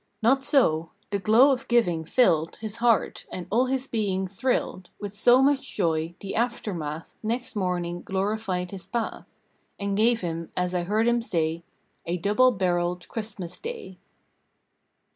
Not so! The glow of giving filled His heart, and all his being thrilled With so much joy, the aftermath Next morning glorified his path And gave him, as I heard him say, A double barreled Christmas Day.